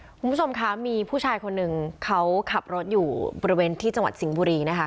คุณผู้ชมคะมีผู้ชายคนหนึ่งเขาขับรถอยู่บริเวณที่จังหวัดสิงห์บุรีนะคะ